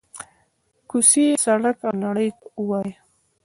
کوڅې، سړک او نړۍ ته ووايي: